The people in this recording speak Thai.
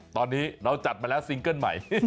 ตอนนี้เราจัดมาแล้วซิงเกิ้ลใหม่